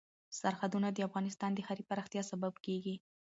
سرحدونه د افغانستان د ښاري پراختیا سبب کېږي.